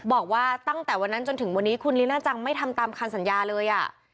บอกว่าตั้งแต่วันนั้นจนถึงวันนี้คุณลิน่าจังไม่ทำตามคำสัญญาเลย